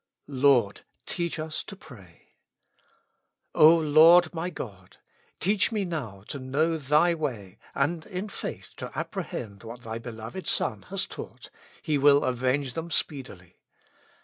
''' "Lord, teach us to pray." O Lord my God ! teach me now to know Thy way, and in faith to apprehend what Thy Beloved Son has taught: "He will avenge them speedily."